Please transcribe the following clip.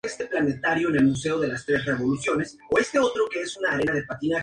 En presentaciones posteriores se agregaron varios músicos al proyecto.